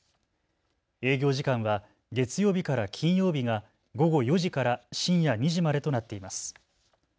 営業時間は月曜日から金曜日が午後４時から深夜２時までとなっています。